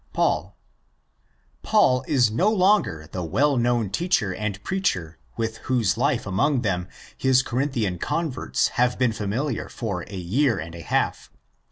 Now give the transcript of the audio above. Paul. Paul is no longer the well known teacher and preacher with whose life among them his Corinthian converts have been familiar for a year and a half.